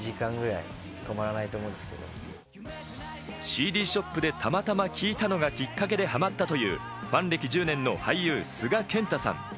ＣＤショップでたまたま聴いたのがきっかけでハマったという、ファン歴１０年の俳優・須賀健太さん。